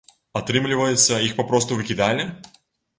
Атрымліваецца, іх папросту выкідалі?